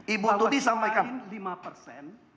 ibu tuti sampaikan